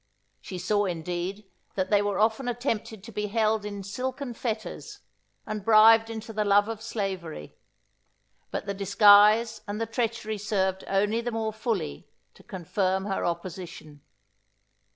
She saw indeed, that they were often attempted to be held in silken fetters, and bribed into the love of slavery; but the disguise and the treachery served only the more fully to confirm her opposition.